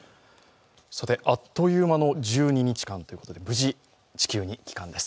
あっという間の１２日間ということで、無事地球に帰還です。